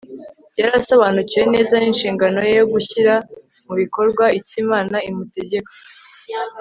Yari asobanukiwe neza ninshingano ye yo gushyira mu bikorwa icyo Imana imutegeka